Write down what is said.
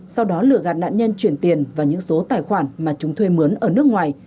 sau đó lửa gạt nạn nhân chuyển tiền vào những số tài khoản mà chúng thuê mướn ở nước ngoài